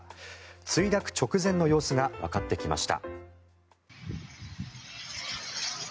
墜落直前の様子がわかってきました。